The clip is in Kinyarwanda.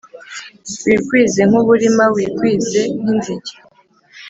wigwize nk’uburima, wigwize nk’inzige